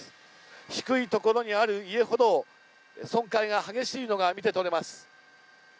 低いところにある家ほど損壊が激しいのが見て取れます。